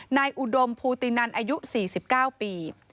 อุดมภูตินันอายุ๔๙ปี